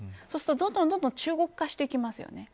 そうするとどんどん中国化していきます。